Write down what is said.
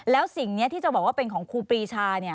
แล้วสิ่งนี้ที่จะบอกว่าเป็นของครูปรีชา